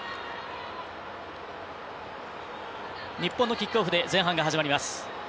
日本のキックオフで前半が始まります。